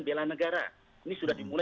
bela negara ini sudah dimulai